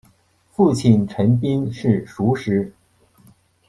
父亲陈彬是塾师。